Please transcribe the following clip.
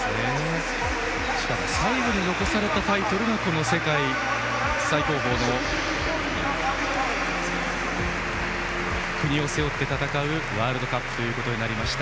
しかも最後に残されたタイトルが世界最高峰の国を背負って戦うワールドカップとなりました。